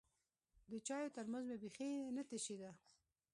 د چايو ترموز مې بيخي نه تشېده.